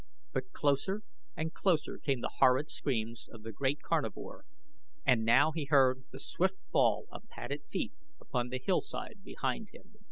But closer and closer came the horrid screams of the great carnivore, and now he heard the swift fall of padded feet upon the hillside behind him.